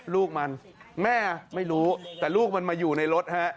ลูกมันแม่ไม่รู้แต่ลูกมันมาอยู่ในรถฮะ